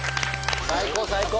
最高最高！